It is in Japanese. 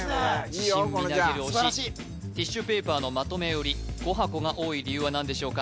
自信みなぎる押しティッシュペーパーのまとめ売り５箱が多い理由は何でしょうか？